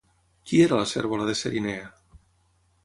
Qui era la cérvola de Cerinea?